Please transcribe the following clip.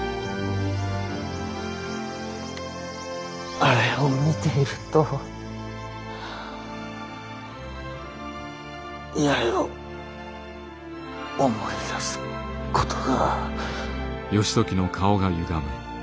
あれを見ていると八重を思い出すことが。